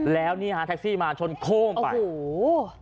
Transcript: แล้วนี่ฮะแท็กซี่มาชนโค้งไปโอ้โห